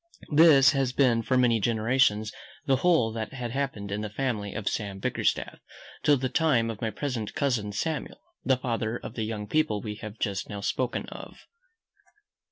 This had been for many generations, the whole that had happened in the family of Sam Bickerstaff, till the time of my present cousin Samuel, the father of the young people we have just now spoken of.